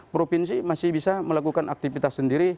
provinsi masih bisa melakukan aktivitas sendiri